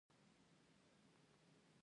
او حتا مامورين او انجينران هم هماغه دي